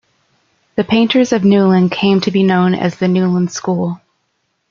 The painters of Newlyn came to be known as the Newlyn School.